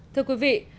thưa quý vị